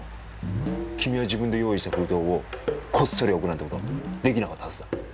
君は自分で用意した封筒をこっそり置くなんて事出来なかったはずだ。